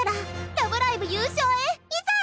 「ラブライブ！」優勝へいざ！